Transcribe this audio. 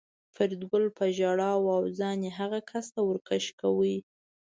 فریدګل په ژړا و او ځان یې هغه کس ته ور کش کاوه